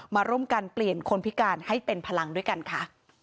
มาร่วมกันเปลี่ยนคนพิการให้เป็นพลังด้วยกันค่ะ